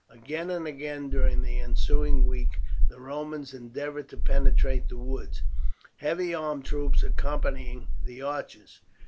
Again and again during the ensuing week the Romans endeavoured to penetrate the woods, heavy armed troops accompanying the archers.